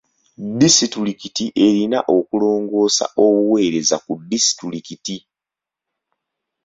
Disitulikiti erina okulongoosa obuweereza ku disitulikiti.